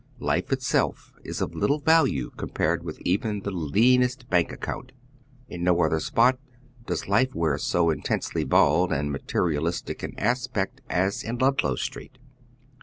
Life itself is of little value compared with even the leanest bank account. In no other spot does life wear so intensely bald and materi alistic an aspect as in Ludlow Street.